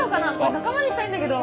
仲間にしたいんだけど。